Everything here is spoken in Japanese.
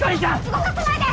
動かさないで！